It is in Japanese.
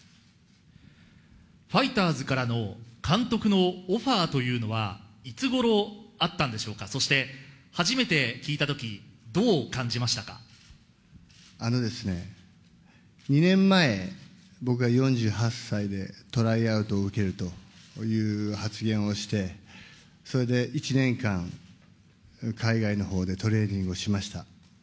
ファイターズからの監督のオファーというのは、いつごろあったんでしょうか、そして初めて聞いたとき、あのですね、２年前、僕が４８歳でトライアウトを受けるという発言をして、それで１年間、海外のほうでトレーニングをしました。